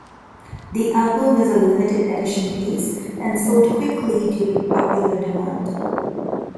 The album was a limited-edition piece and sold quickly due to popular demand.